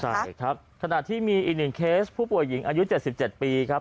ใช่ครับขณะที่มีอีกหนึ่งเคสผู้ป่วยหญิงอายุ๗๗ปีครับ